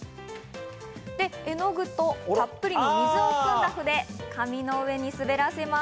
絵の具とたっぷりの水を含んだ筆、紙の上に滑らせます。